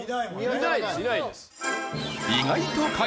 いないです。